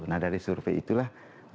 nah dari survei itulah